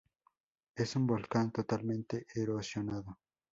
Es un volcán totalmente erosionado.